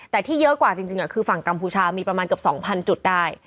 แต่ที่เยอะกว่าจริงคือฝั่งกัมพูชามีประมาณเกือบ๒๐๐จุดได้